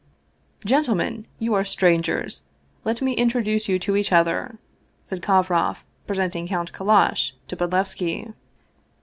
" Gentlemen, you are strangers ; let me introduce you to each other," said Kovroff, presenting Count Kallash to Bodlevski.